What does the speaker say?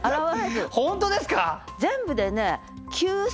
本当ですか！？